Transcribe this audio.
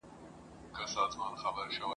هم به جاله وي هم یکه زار وي !.